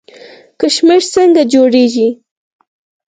کشمش څنګه جوړیږي؟